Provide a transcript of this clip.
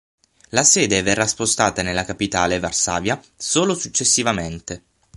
La sede verrà spostata nella capitale Varsavia solo successivamente.